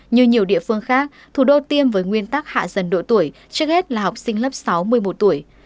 như nhiều địa phương khác thủ đô tiêm với nguyên tắc hạ dần độ tuổi trước hết là học sinh lớp sáu một mươi một tuổi